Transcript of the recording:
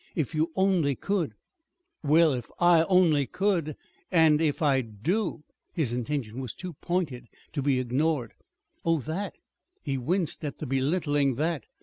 If you only could " "Well, if I only could and if I do?" His intention was too pointed to be ignored. "Oh, that!" He winced at the belittling "that."